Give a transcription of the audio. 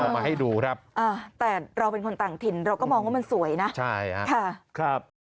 มาให้ดูครับอ่าแต่เราเป็นคนต่างถิ่นเราก็มองว่ามันสวยนะใช่ค่ะครับ